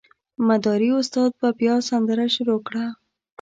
مداري استاد به بیا سندره شروع کړه.